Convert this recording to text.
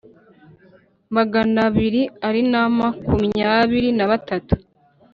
magana abiri na makumyabiri na batatu